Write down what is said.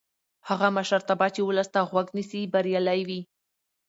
هغه مشرتابه چې ولس ته غوږ نیسي بریالی وي